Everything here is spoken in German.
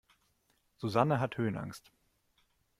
Susanne hat Höhenangst.